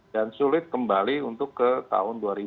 dan sulit kembali untuk ke tahun dua ribu